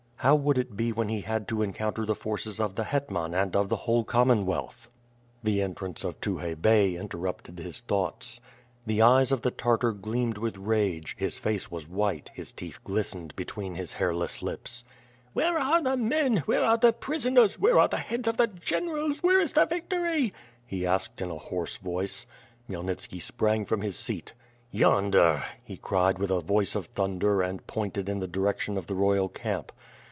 How would it be when he had to encounter the forces of the Hetman and of the whole Commonwealth ? The entrance of Tukhay Bey interrupted his thoughts. • The eyes of the Tartar gleamed with rage, his face was white, his teeth glistened bctwen his hairless lips. "Where are the mm, where are the prisoners, where are the heads of the generals, where is the victory?" he asked in a hoarse voice. Khmyelnitski sprang from his seat. "Yonder," he cried with a voice of thunder and pointed in the direction of the royal camp.